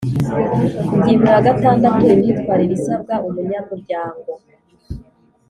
Ingingo ya gatandatu: Imyitwarire isabwa umunyamuryango